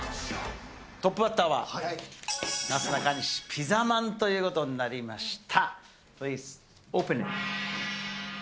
トップバッターはなすなかにし、ピザまんということになりました。